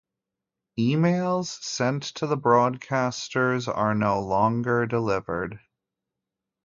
Emails sent to the broadcasters are no longer delivered.